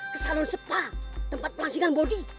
ke salon spa tempat pelaksinan bodi